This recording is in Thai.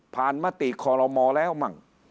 ผ่านมติขอรมอแล้วมั่ง